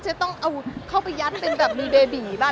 จะต้องเอาเข้าไปยัดเป็นแบบมีเบบีบ้าง